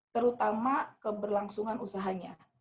terutama keberlangsungan usahanya